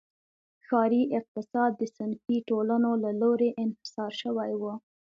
ښاري اقتصاد د صنفي ټولنو له لوري انحصار شوی و.